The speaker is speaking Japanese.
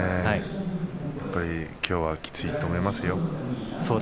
やはり、きょうはきついと思いますよ。